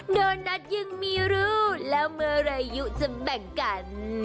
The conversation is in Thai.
โดนัตยึงมีรูแล้วเมื่อเรายูจะมีกัน